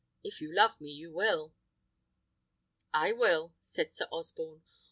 If you love me you will." "I will," said Sir Osborne.